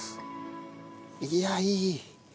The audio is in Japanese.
いやいい。